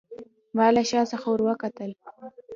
ما له شا څخه وروکتل.